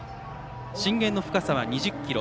震源の深さは２０ｋｍ。